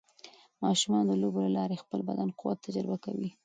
ماشومان د لوبو له لارې د خپل بدن قوت تجربه کوي.